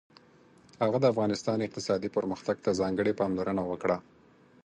هغه د افغانستان اقتصادي پرمختګ ته ځانګړې پاملرنه وکړه.